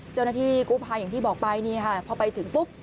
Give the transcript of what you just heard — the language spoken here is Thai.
เจ้าหน้าที่กุภายอย่างที่บอกไปพอไปถึงปุ๊บ